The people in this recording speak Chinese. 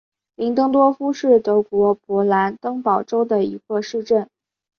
林登多夫是德国勃兰登堡州的一个市镇。